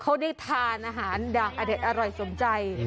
เขาได้ทานอาหารอร่อยสมใจ